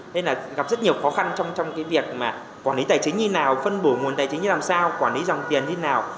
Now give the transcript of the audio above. nên là gặp rất nhiều khó khăn trong việc quản lý tài chính như thế nào phân bổ nguồn tài chính như thế nào quản lý dòng tiền như thế nào